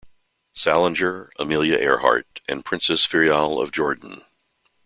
Salinger, Amelia Earhart, and Princess Firyal of Jordan.